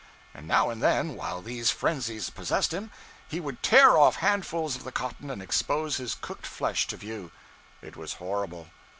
And now and then while these frenzies possessed him, he would tear off handfuls of the cotton and expose his cooked flesh to view. It was horrible.